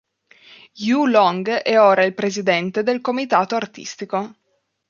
Yu Long è ora il presidente del comitato artistico.